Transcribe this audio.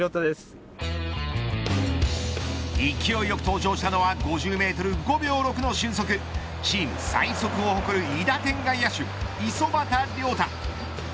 勢いよく登場したのは５０メートル５秒６の俊足チーム最速を誇る韋駄天外野手、五十幡亮汰。